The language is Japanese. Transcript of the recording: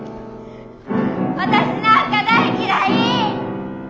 私なんか大嫌い！